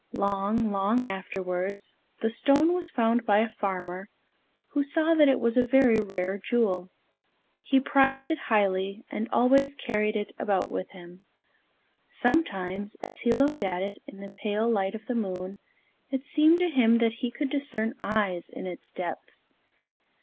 Long, long afterwards, the stone was found by a farmer, who saw that it was a very rare jewel. He prized it highly, and always carried it about with him. Sometimes, as he looked at it in the pale light of the moon, it seemed to him that he could discern eyes in its depths.